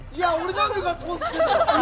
なんでガッツポーズしてるんだよ！